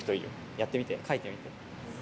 やってみて、書いてみて。